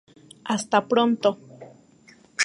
Hasta pronto!